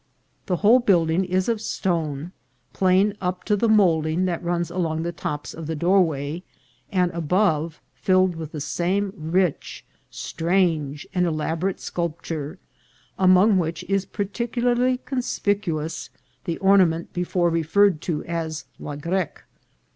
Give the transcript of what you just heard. The whole building is of stone, plain up to the moulding that runs along the tops of the doorway, and above filled with the same rich, strange, and elaborate sculpture, among which is par ticularly conspicuous the ornament before referred to as la grecque.